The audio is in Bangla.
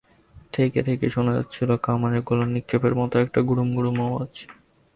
থেকে থেকে শোনা যাচ্ছিল কামানের গোলার নিক্ষেপের মতো একটানা গুড়ুম গুড়ুম আওয়াজ।